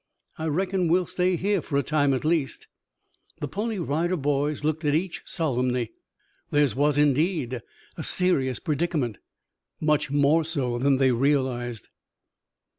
I reckon we'll stay here for a time at least." The Pony Rider Boys looked at each other solemnly. Theirs was, indeed, a serious predicament, much more so than they realized.